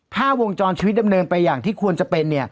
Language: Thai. ถ้าวงจรชีวิตดำเนินไปอย่างที่ควรจะเป็น